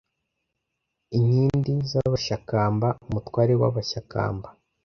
Inkindi z’Abashakamba: Umutware w’Abashyakamba.